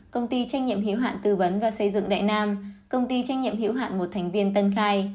công ty trách nhiệm hiểu hạn tư vấn và xây dựng đại nam công ty trách nhiệm hiểu hạn một thành viên tân khai